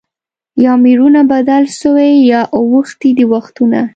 یا مېړونه بدل سوي یا اوښتي دي وختونه